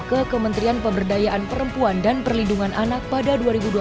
ke kementerian pemberdayaan perempuan dan perlindungan anak pada dua ribu dua puluh